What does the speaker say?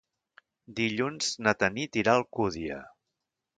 Dilluns na Tanit irà a Alcúdia.